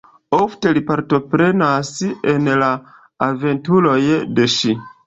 Ofte li partoprenas en la aventuroj de ŝi.